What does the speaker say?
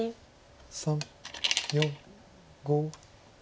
３４５。